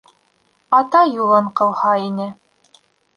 Ата юлын ҡыуһа ине